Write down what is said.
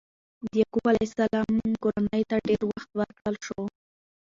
د یعقوب علیه السلام کورنۍ ته ډېر وخت ورکړل شو.